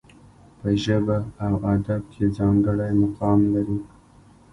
په ژبه او ادب کې ځانګړی مقام لري.